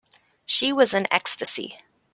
She was in ecstasy.